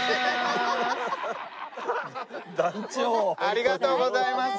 ありがとうございます。